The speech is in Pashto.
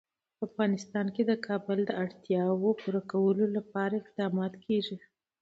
په افغانستان کې د کابل د اړتیاوو پوره کولو لپاره اقدامات کېږي.